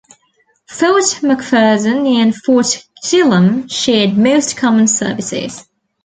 Fort McPherson and Fort Gillem shared most common services.